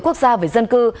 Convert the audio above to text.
quốc gia về dân cư